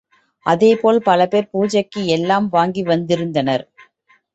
அதேபோல் பலபேர் பூஜைக்கு எல்லாம் வாங்கி வந்திருந்தனர்.